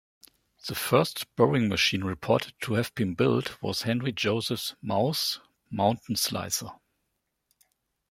The first boring machine reported to have been built was Henri-Joseph Maus's "Mountain Slicer".